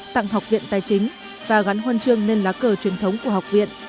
tặng học viện tài chính và gắn huân chương lên lá cờ truyền thống của học viện